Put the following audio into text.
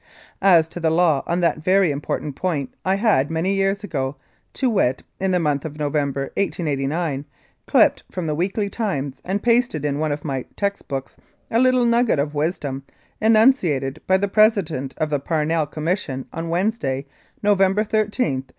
As to the law on that very important point I had, many years ago, to wit, in the month of November, 1889, clipped from the Weekly Times and pasted in one of my textbooks a little nugget of wisdom enunci ated by the President of the Parnell Commission on Wednesday, November 13, 1889.